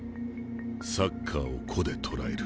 サッカーを個で捉える。